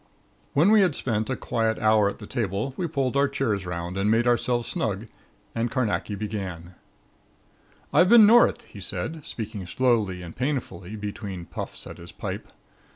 When we had spent a quiet hour at the table we pulled our chairs 'round and made ourselves snug and Carnacki began: "I've been North," he said, speaking slowly and painfully between puffs at his pipe.